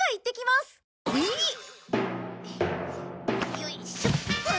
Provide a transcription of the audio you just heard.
よいしょっと。